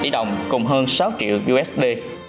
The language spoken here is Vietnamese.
tỷ đồng cùng hơn sáu triệu usd